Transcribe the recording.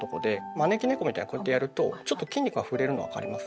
招き猫みたいにこうやってやるとちょっと筋肉が触れるの分かります？